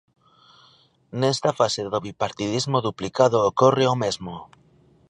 Nesta fase de bipartidismo duplicado ocorre o mesmo.